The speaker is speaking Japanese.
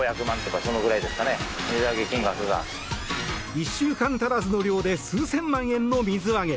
１週間足らずの漁で数千万円の水揚げ。